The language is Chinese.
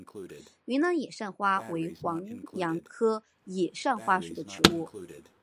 云南野扇花为黄杨科野扇花属的植物。